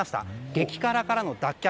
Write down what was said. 激辛からの脱却。